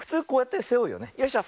よいしょ。